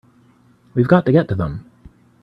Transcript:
We've got to get to them!